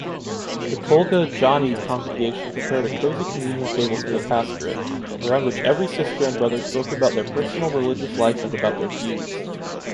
The Kolga-Jaani congregation prepared a cozy communion table for the pastorate, around which every sister and brother spoke about their personal religious life and about their views.